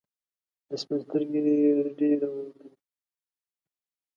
د سپین سترګي رډي راووتلې.